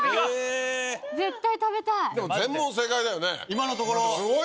今のところ。